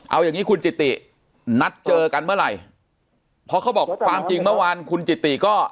เอาอย่างงี้คุณจิตินัดเจอกันเมื่อไหร่เพราะเขาบอกความจริงเมื่อวานคุณจิติก็